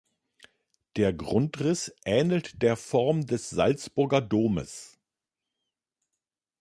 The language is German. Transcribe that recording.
Der Grundriss ähnelt der Form des Salzburger Domes.